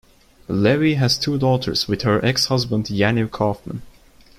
Levi has two daughters with her ex-husband Yaniv Kaufman.